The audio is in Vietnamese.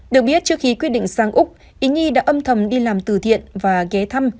được biết trước khi quyết định sang úc ý nhi đã âm thầm đi làm từ thiện và ghé thăm